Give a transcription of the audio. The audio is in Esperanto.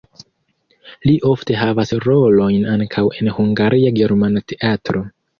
Li ofte havas rolojn ankaŭ en Hungaria Germana Teatro.